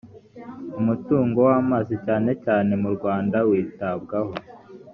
umutungo w amazi cyane cyane mu rwanda witabwaho